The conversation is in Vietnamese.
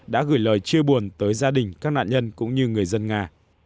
đã gửi lời chia buồn tới gia đình các nạn nhân cũng như người dân nga